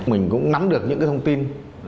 mình cũng nắm được những thông tin